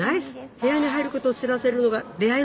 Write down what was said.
部屋に入ることを知らせるのが「出会いの準備」。